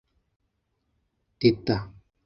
Teta